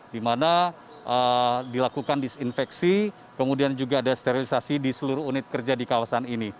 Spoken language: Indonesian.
di mana dilakukan disinfeksi kemudian juga ada sterilisasi di seluruh unit kerja di kawasan ini